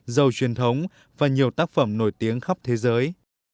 giàu truyền thống và nhiều tác phẩm nổi tiếng khắp thế giới